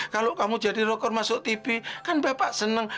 kalau kamu jadi rokor masuk tb kan bapak senang